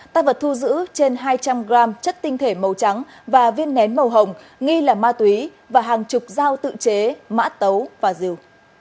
tăng vật thu giữ trên hai trăm linh g chất tinh thể màu trắng và viên nén màu hồng nghi là ma túy và hàng chục dao tự chế mã tấu và rìu